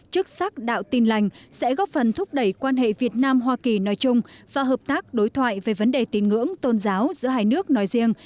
chức sắc đạo tin lành sẽ góp phần thúc đẩy quan hệ việt nam hoa kỳ nói chung và hợp tác đối thoại về vấn đề tin ngưỡng tôn giáo giữa hai nước nói riêng